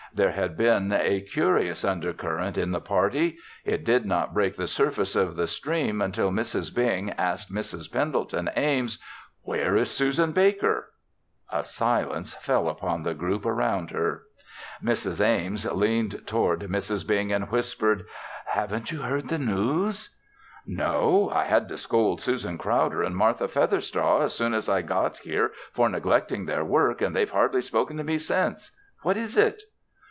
There had been a curious undercurrent in the party. It did not break the surface of the stream until Mrs. Bing asked Mrs. Pendleton Ames, "Where is Susan Baker?" A silence fell upon the group around her. Mrs. Ames leaned toward Mrs. Bing and whispered, "Haven't you heard the news?" "No. I had to scold Susan Crowder and Martha Featherstraw as soon as I got here for neglecting their work and they've hardly spoken to me since. What is it?"